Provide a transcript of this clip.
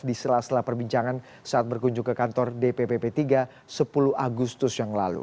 di sela sela perbincangan saat berkunjung ke kantor dpp p tiga sepuluh agustus yang lalu